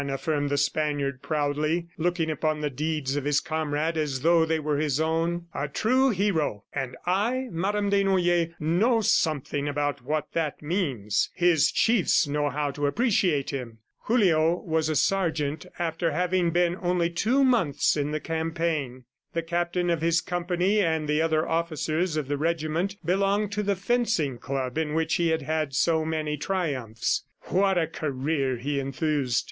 affirmed the Spaniard proudly, looking upon the deeds of his comrade as though they were his own. "A true hero! and I, Madame Desnoyers, know something about what that means. ... His chiefs know how to appreciate him." ... Julio was a sergeant after having been only two months in the campaign. The captain of his company and the other officials of the regiment belonged to the fencing club in which he had had so many triumphs. "What a career!" he enthused.